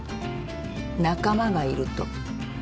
仲間がいると。